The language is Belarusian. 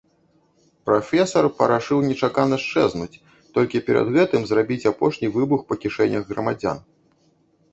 Прафесар парашыў нечакана счэзнуць, толькі перад гэтым зрабіць апошні выбух па кішэнях грамадзян.